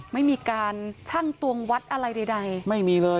ไม่มีการชั่งตวงวัดอะไรใดไม่มีเลย